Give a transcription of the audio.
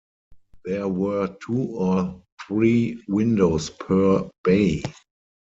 There were two or three windows per bay.